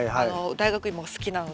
大学芋が好きなので。